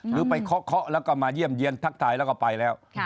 หรือไปเคาะแล้วก็มาเยี่ยมเยี่ยนทักทายแล้วก็ไปแล้ว